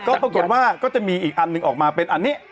ก็ปรากฏว่าก็จะมีอีกอันหนึ่งออกมาเป็นอันนี้